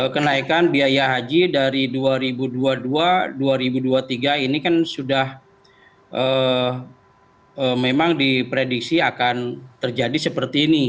kenaikan biaya haji dari dua ribu dua puluh dua dua ribu dua puluh tiga ini kan sudah memang diprediksi akan terjadi seperti ini